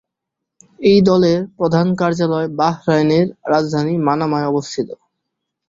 এই দলের প্রধান কার্যালয় বাহরাইনের রাজধানী মানামায় অবস্থিত।